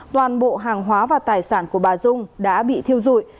toàn bộ hàng hóa và tài sản của bà dung đã bị thiêu dụi